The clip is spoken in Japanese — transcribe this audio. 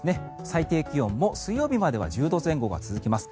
最低気温も水曜日までは１０度前後が続きます。